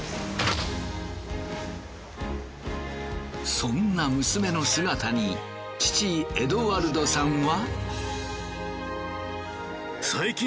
そんな娘の姿に父エドワルドさんは。